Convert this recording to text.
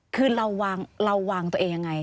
คือเราวางตัวเองยังไง